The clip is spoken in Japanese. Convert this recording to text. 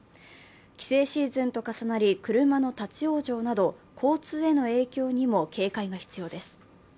帰省シーズンと重なり、車の立ち往生など交通への影響にも警戒が必要です。